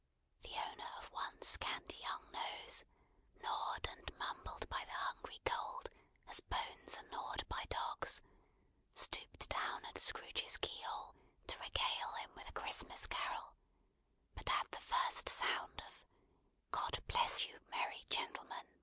The owner of one scant young nose, gnawed and mumbled by the hungry cold as bones are gnawed by dogs, stooped down at Scrooge's keyhole to regale him with a Christmas carol: but at the first sound of "God bless you, merry gentleman!